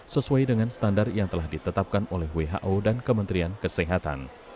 sesuai dengan standar yang telah ditetapkan oleh who dan kementerian kesehatan